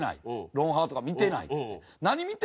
『ロンハー』とか見てないっつって。